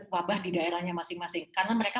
wabah di daerahnya masing masing karena mereka